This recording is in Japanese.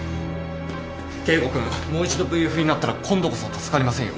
圭吾君もう一度ＶＦになったら今度こそ助かりませんよ。